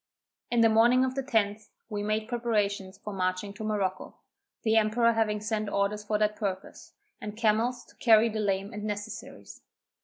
In the morning of the 10th, we made preparations for marching to Morocco, the emperor having sent orders for that purpose, and camels to carry the lame and necessaries.